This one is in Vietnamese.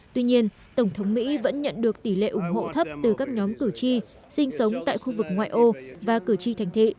tuy nhiên tổng thống mỹ vẫn nhận được tỷ lệ ủng hộ thấp từ các nhóm cử tri sinh sống tại khu vực ngoại ô và cử tri thành thị